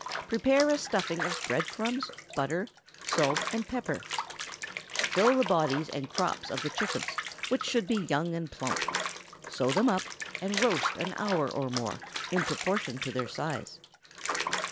Prepare a stuffing of bread crumbs, butter, pepper, salt, &c. Fill the bodies and crops of the chickens, which should be young and plump; sew them up, and roast an hour or more, in proportion to their size.